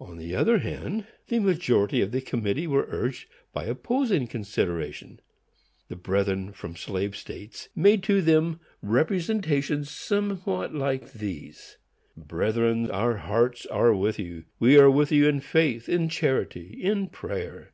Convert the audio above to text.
On the other hand, the majority of the committee were urged by opposing considerations. The brethren from slave states made to them representations somewhat like these: "Brethren, our hearts are with you. We are with you in faith, in charity, in prayer.